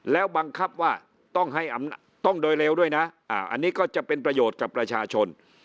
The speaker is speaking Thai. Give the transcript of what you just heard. แล้วบังคับว่าต้องให้ต้องโดยเร็วด้วยนะอันนี้ก็จะเป็นประโยชน์กับประชาชน